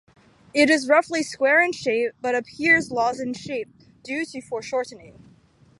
It is roughly square in shape, but appears lozenge-shaped due to foreshortening.